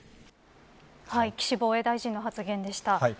岸防衛大臣の発言でした。